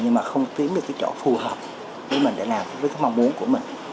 nhưng mà không kiếm được cái chỗ phù hợp với mình để làm với cái mong muốn của mình